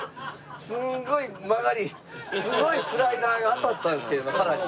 すごい曲がりすごいスライダーが当たったんですけど今腹に。